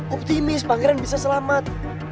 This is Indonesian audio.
optimis pangeran bisa selamat